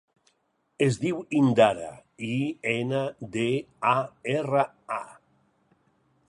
Es diu Indara: i, ena, de, a, erra, a.